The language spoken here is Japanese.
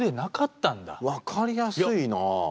分かりやすいなぁ。